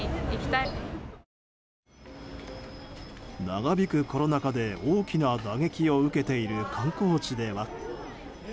長引くコロナ禍で大きな打撃を受けている観光地では。